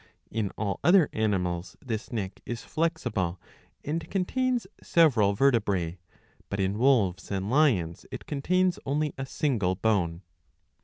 In all other animals this neck is flexible and contains several vertebrae ; but in wolves and lions it contains only a single bone.